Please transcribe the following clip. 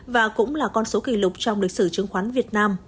và cũng là con số kỷ lục trong lịch sử chứng khoán việt nam